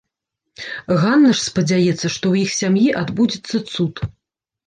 Ганна ж спадзяецца, што ў іх сям'і адбудзецца цуд.